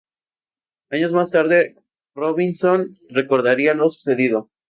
Años más tarde, Robinson recordaría lo sucedido.